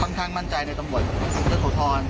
มีความมั่นใจในตรงบทจะโทษท้อน